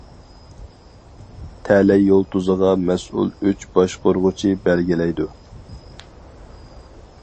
تەلەي يۇلتۇزىغا مەسئۇل ئۈچ باشقۇرغۇچى بەلگىلەيدۇ.